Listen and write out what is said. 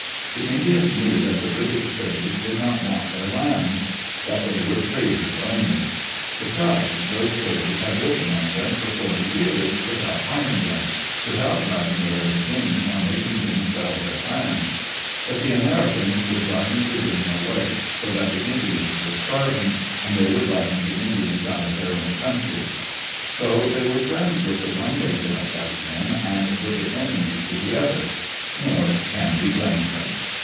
The Indians knew that the British traders did not want their lands — that they were traders only. Besides, those traders had lived among them for forty years without harming them — without driving away the game or making them sell [2143 Digitized by Google THE GREAT COUNCIL AT WALLA WALLA their lands. But the Americans were driving the game away, so that the Indians were starving, and they were driving the Indians out of their own country. So they were friends with the one nation of white men, and bitter ene mies to the other. Nor can we blame them.